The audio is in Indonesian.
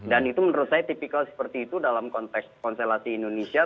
dan itu menurut saya tipikal seperti itu dalam konteks konservasi indonesia